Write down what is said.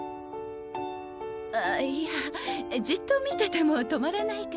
あいやじっと見てても止まらないから。